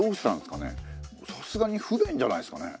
さすがに不便じゃないですかね？